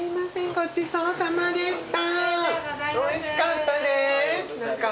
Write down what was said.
ごちそうさまでした。